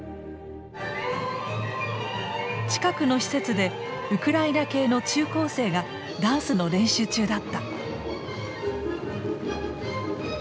近くの施設でウクライナ系の中高生がダンスの練習中だった。